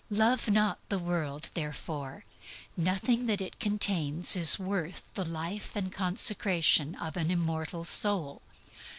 Love not the world therefore. Nothing that it contains is worth the life and consecration of an immortal soul.